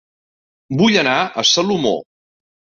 Vull anar a Salomó